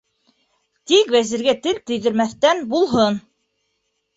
Тик Вәзиргә тел тейҙермәҫтән булһын.